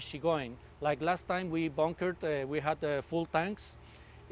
seperti yang kami lakukan di bongkert kami memiliki tank penuh